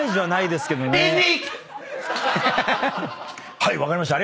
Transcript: はい分かりました。